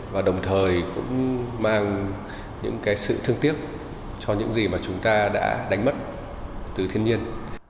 và đồng thời cũng mang những cái sự thương tiếc cho những gì mà chúng ta đã đánh mất từ thiên nhiên